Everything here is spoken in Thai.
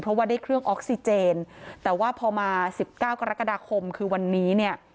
เพราะว่าได้เครื่องออกซิเจนแต่ว่าพอมาสิบเก้ากรกฎาคมคือวันนี้เนี่ย